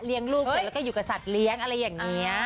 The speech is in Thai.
ลูกเสร็จแล้วก็อยู่กับสัตว์เลี้ยงอะไรอย่างนี้